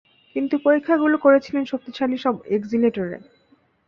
তিনি পরীক্ষাগুলো করেছিলেন শক্তিশালী সব এক্সিলেটরে।